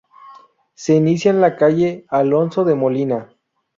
Se inicia en la calle Alonso de Molina.